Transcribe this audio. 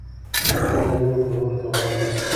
زه د نورو خبرو ته غوږ نیسم.